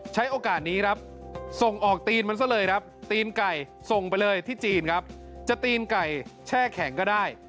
ใช้โอกาสนี้ครับส่งออกตีนมันซะเลยครับตีนไก่ส่งไปเลยที่จีนครับจะตีนไก่แช่แข็งก็ได้